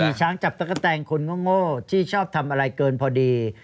มีช้างจับตะกะแตงคนโง่ที่ชอบทำอะไรเกินพอดี